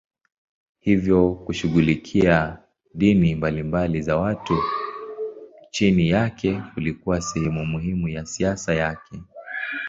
Hivyo kushughulikia dini mbalimbali za watu chini yake kulikuwa sehemu muhimu ya siasa yake.